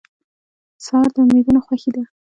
سهار د امیدونو خوښي ده.